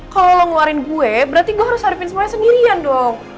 kalau lo ngeluarin gue berarti gue harus harapin semuanya sendirian dong